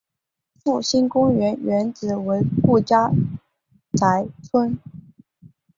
复兴公园原址为顾家宅村。